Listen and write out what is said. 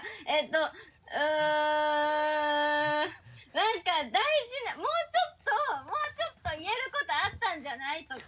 なんか大事なもうちょっともうちょっと言えることあったんじゃない？とか。